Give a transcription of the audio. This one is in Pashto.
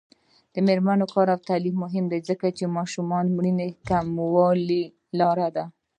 د میرمنو کار او تعلیم مهم دی ځکه چې ماشومانو مړینې کمولو لاره ده.